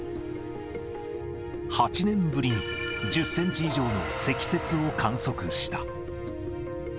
８年ぶりに１０センチ以上の積雪を観測した。